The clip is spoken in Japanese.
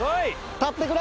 立ってくれ！